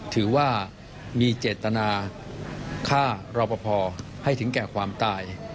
ถือว่ามีเจตนาฆ่ารอปภให้ถึงแก่ความตาย